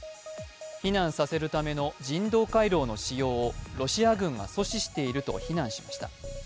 避難させるための人道回廊の使用をロシア軍が阻止していると非難しました。